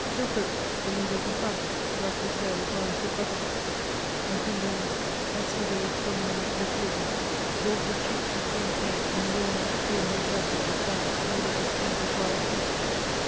Chilperiek, the leader of the Franks, ruhbed his hair with rancid butter, infundens acide camam butyro, daubed his cheeks with green paint, and wore an extraordinary jacket or plaid, made of the skins of wild beasts.